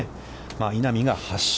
稲見が８勝。